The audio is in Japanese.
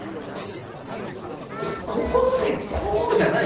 ここの線こうじゃない。